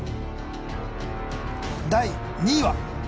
第２位は？